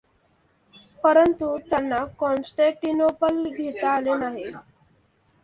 परंतु त्यांना कॉन्स्टेन्टिनोपल घेता आले नाही.